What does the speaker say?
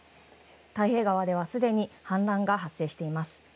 太平川ではすでに氾濫が発生しています。